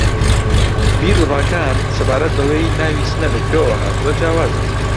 بیر و ڕاکان سەبارەت بەوەی ناوی سنە لە کوێوە ھاتووە جیاوازن